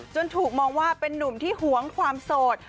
ถูกมองว่าเป็นนุ่มที่หวงความโสด